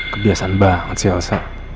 kebiasaan banget si elsa